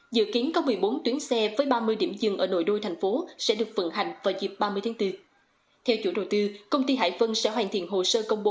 dự kiến có một mươi bốn tuyến xe với ba mươi điểm dừng ở nội đôi thành phố sẽ được vận hành vào dịp ba mươi tháng bốn